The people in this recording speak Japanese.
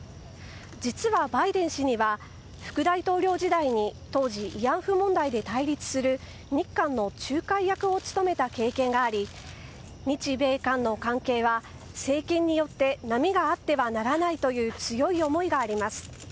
実はバイデン氏には副大統領時代に当時、慰安婦問題で対立する日韓の仲介役を務めた経験があり日米韓の関係は、政権によって波があってはならないという強い思いがあります。